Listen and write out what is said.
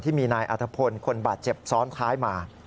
ที่มีนายอัธพลคนบาดเจ็บซ้อนท้ายมา